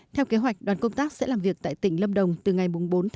theo kế hoạch đoàn công tác sẽ làm việc tại tỉnh lâm đồng từ ngày bốn bốn một mươi hai